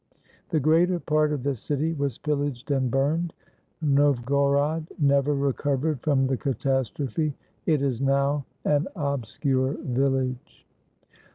The greater part of the city was pillaged and burned. Nov gorod never recovered from the catastrophe: it is now an obscure village.